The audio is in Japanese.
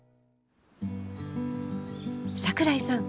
桜井さん